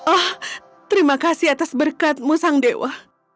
oh terima kasih atas berkatmu sang dewa